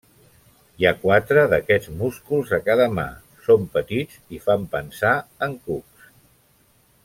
Hi ha quatre d'aquests músculs a cada mà; són petits, i fan pensar en cucs.